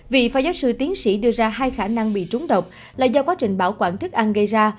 vị phó giáo sư tiến sĩ đưa ra hai khả năng bị trúng độc là do quá trình bảo quản thức ăn gây ra